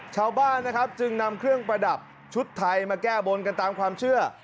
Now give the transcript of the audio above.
ชาวบ้านนะครับจึงนำเครื่องประดับชุดไทยมาแก้บนกันตามความเชื่อ